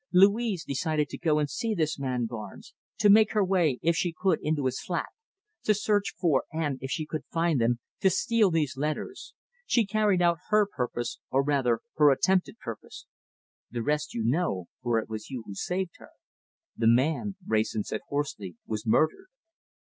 Louise decided to go and see this man Barnes, to make her way, if she could, into his flat, to search for and, if she could find them, to steal these letters. She carried out her purpose or rather her attempted purpose. The rest you know, for it was you who saved her!" "The man," Wrayson said hoarsely, "was murdered."